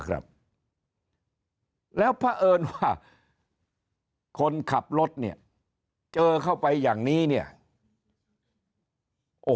ครับแล้วเพราะเอิญว่าคนขับรถเนี่ยเจอเข้าไปอย่างนี้เนี่ยโอ้โห